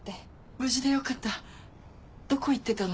無事でよかったどこ行ってたの？